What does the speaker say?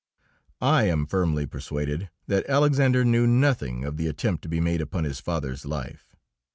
I am firmly persuaded that Alexander knew nothing of the attempt to be made upon his father's life.